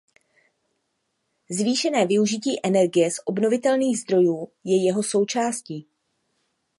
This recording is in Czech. Zvýšené využití energie z obnovitelných zdrojů je jeho součástí.